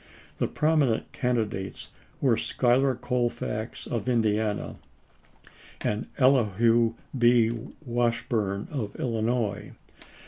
The prominent candidates were Schuyler Colfax of Indiana and Elihu B. Wash burne of Illinois.